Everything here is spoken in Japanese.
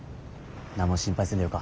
何も心配せんでよか。